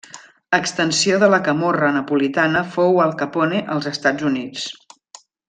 Extensió de la Camorra napolitana fou Al Capone als Estats Units.